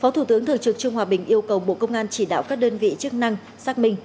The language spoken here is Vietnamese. thủ tướng thượng trực trung hòa bình yêu cầu bộ công an chỉ đạo các đơn vị chức năng xác minh